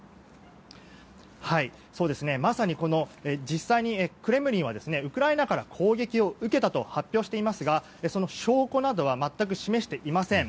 まさに実際にクレムリンはウクライナから攻撃を受けたと発表していますがその証拠などは全く示していません。